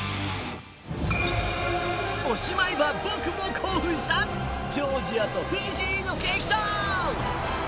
おしまいは、僕も興奮したジョージアとフィジーの激闘。